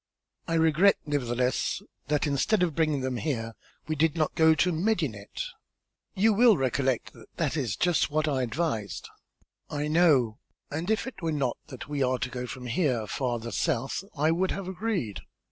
"I regret, nevertheless, that instead of bringing them here, we did not go to Medinet." "You will recollect that that is just what I advised." "I know, and if it were not that we are to go from here farther south, I would have agreed.